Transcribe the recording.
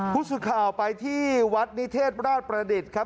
ผู้สื่อข่าวไปที่วัดนิเทศราชประดิษฐ์ครับ